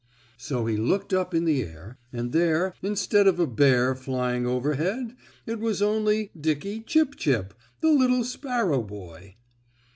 So he looked up in the air, and there, instead of a bear flying overhead, it was only Dickie Chip Chip, the little sparrow boy.